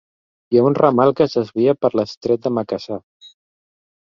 Hi ha un ramal que es desvia per l'Estret de Macassar.